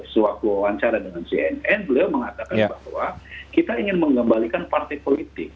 sewaktu wawancara dengan cnn beliau mengatakan bahwa kita ingin mengembalikan partai politik